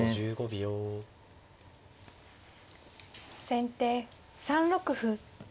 先手３六歩。